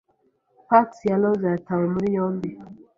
Parks ya Rosa yatawe muri yombi.